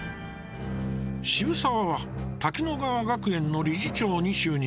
渋沢は滝乃川学園の理事長に就任。